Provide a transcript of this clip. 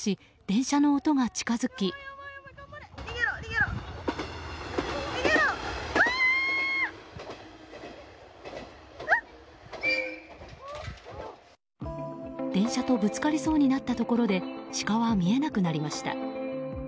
電車とぶつかりそうになったところでシカは見えなくなりました。